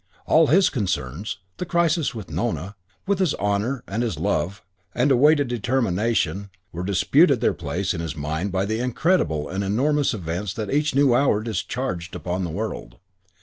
All his concerns, the crisis with Nona, with his honour and his love, that awaited determination, were disputed their place in his mind by the incredible and enormous events that each new hour discharged upon the world.